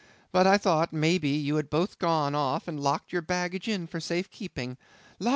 But I thought, may be, you had both gone off and locked your baggage in for safe keeping. La!